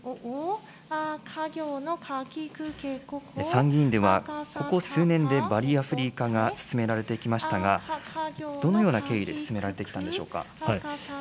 参議院では、ここ数年でバリアフリー化が進められてきましたが、どのような経緯で進められてきたんでしょうか。